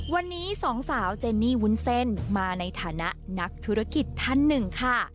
วันนี้สองสาวเจนนี่วุ้นเส้นมาในฐานะนักธุรกิจท่านหนึ่งค่ะ